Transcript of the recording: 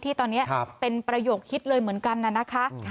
ที่ตอนนี้เป็นประโยคฮิตเลยเหมือนกันน่ะนะคะ